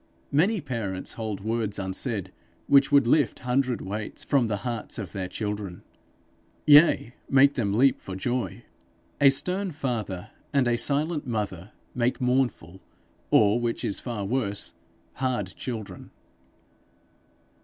Many parents hold words unsaid which would lift hundred weights from the hearts of their children, yea, make them leap for joy. A stern father and a silent mother make mournful, or, which is far worse, hard children.